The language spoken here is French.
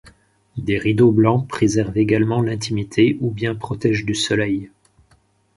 Des rideaux blancs préservent également l’intimité ou bien protègent du soleil.